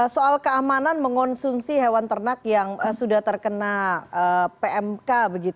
soal keamanan mengonsumsi hewan ternak yang sudah terkena pmk